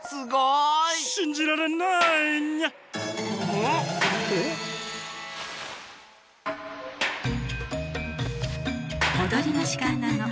おどりのじかんなの。